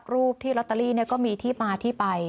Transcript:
รูปที่ลอตเตอรี่ก็มีที่มาที่ไป